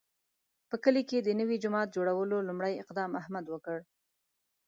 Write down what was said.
په کلي کې د نوي جومات جوړولو لومړی اقدام احمد وکړ.